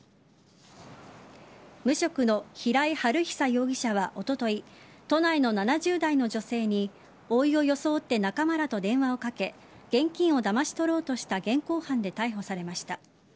無職の平井晴久容疑者はおととい都内の７０代の女性においを装って仲間らと電話をかけ現金をだまし取ろうとした現行犯で逮捕されました。